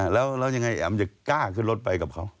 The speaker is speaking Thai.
แล้วยังไงแอมจะกล้าขึ้นรถไปกับเขา